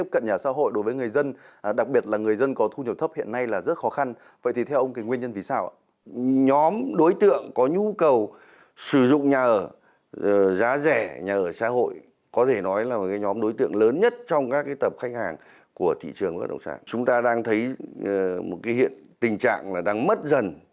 chúng ta đang thấy một tình trạng đang mất dần